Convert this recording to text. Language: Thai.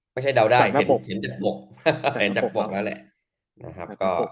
ไม่ใช่ดาวน์ได้เห็นจากปกแล้วแหละ